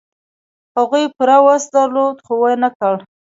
هغوی پوره وس درلود، خو و نه کړ.